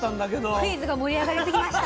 クイズが盛り上がりすぎました。